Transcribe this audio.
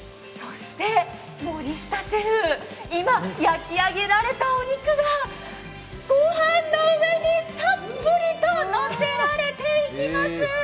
森下シェフ、今、焼き上げられたお肉が、ご飯の上にたっぷりとのせられています。